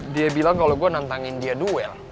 dia bilang kalau gue nantangin dia duel